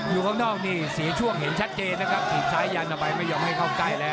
อยู่ข้างนอกนี่เสียช่วงเห็นชัดเจนนะครับถีบซ้ายยันออกไปไม่ยอมให้เข้าใกล้แล้ว